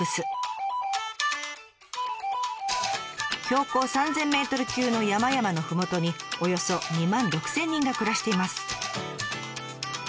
標高３，０００ｍ級の山々のふもとにおよそ２万６，０００人が暮らしています。